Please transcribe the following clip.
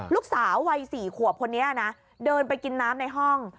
ลูกสาววัย๔ขวบคนนี้นะเดินไปกินน้ำในห้อง